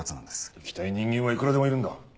行きたい人間はいくらでもいるんだ。